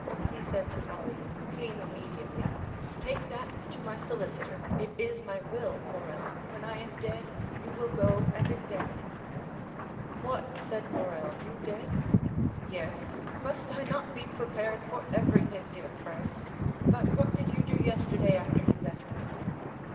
said he to Ali, who came immediately, "take that to my solicitor. It is my will, Morrel. When I am dead, you will go and examine it." "What?" said Morrel, "you dead?" "Yes; must I not be prepared for everything, dear friend? But what did you do yesterday after you left me?"